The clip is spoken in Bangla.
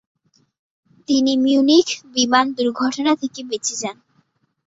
তিনি মিউনিখ বিমান দুর্ঘটনা থেকে বেঁচে যান।